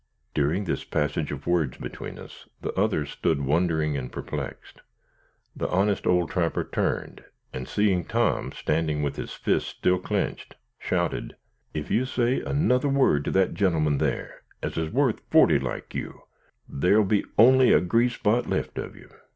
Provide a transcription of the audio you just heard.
During this passage of words between us, the others stood wondering and perplexed. The honest old trapper turned, and seeing Tom standing with his fists still clinched, shouted: "Ef you say another word to that gentleman thar, as is worth forty like you, there'll be only a grease spot left of you.